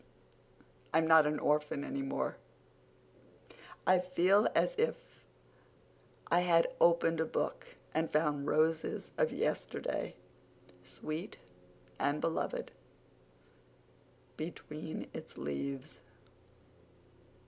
I'm not an orphan any longer. I feel as if I had opened a book and found roses of yesterday, sweet and beloved, between its leaves."